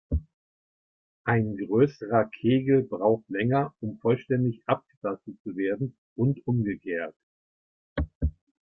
Ein größerer Kegel braucht länger, um vollständig abgetastet zu werden und umgekehrt.